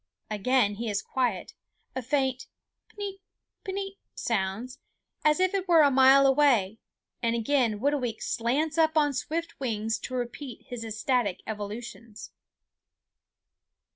Again he is quiet; a faint peent, peent sounds, as if it were a mile away; and again Whitooweek slants up on swift wings to repeat his ecstatic evolutions.